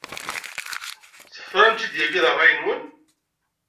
Tefram-tt-id yagi ed ṛṛay-nwen?